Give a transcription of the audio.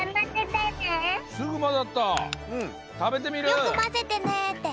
よくまぜてねって。